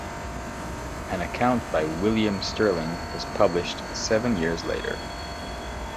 An account by William Stirling was published seven years later.